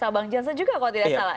abang jansa juga kalau tidak salah